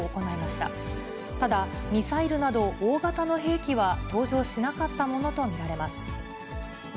ただ、ミサイルなど、大型の兵器は登場しなかったものと見られます。